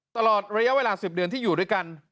ตลอดระยะเวลา๑๐เดือนที่อยู่ด้วยกัน